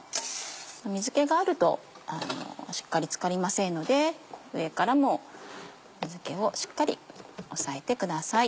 水気があるとしっかり漬かりませんので上からも水気をしっかり押さえてください。